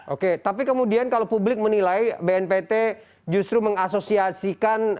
oke tapi kemudian kalau publik menilai bnpt justru mengasosiasikan